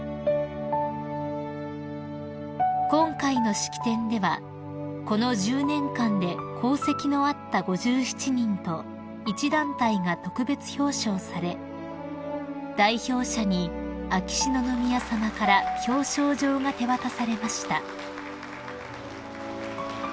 ［今回の式典ではこの１０年間で功績のあった５７人と１団体が特別表彰され代表者に秋篠宮さまから表彰状が手渡されました］